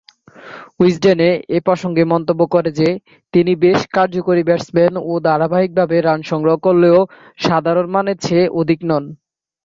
উইজডেনে এ প্রসঙ্গে মন্তব্য করে যে, তিনি বেশ কার্যকরী ব্যাটসম্যান ও ধারাবাহিকভাবে রান সংগ্রহ করলেও সাধারণমানের চেয়ে অধিক নন।